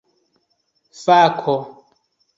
fako